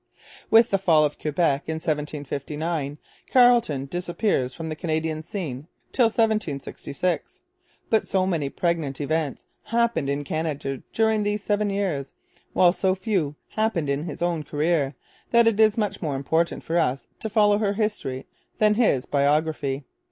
With the fall of Quebec in 1759 Carleton disappears from the Canadian scene till 1766. But so many pregnant events happened in Canada during these seven years, while so few happened in his own career, that it is much more important for us to follow her history than his biography.